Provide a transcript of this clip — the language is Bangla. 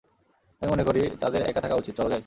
আমি মনে করি তাদের একা থাকা উচিত, চলো যাই।